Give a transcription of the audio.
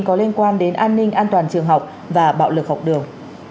có liên quan đến an ninh an toàn trường học và bạo lực học đường